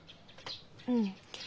うん。